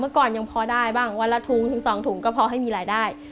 ก่อนยังพอได้บ้างวันละถุงถึง๒ถุงก็พอให้มีรายได้